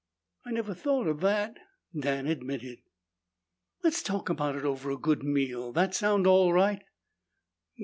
"I never thought of that," Dan admitted. "Let's talk about it over a good meal. That sound all right?"